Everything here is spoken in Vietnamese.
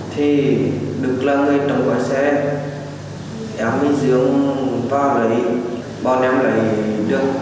thì được là người tổng quản xe em đi giống và lấy bọn em lấy được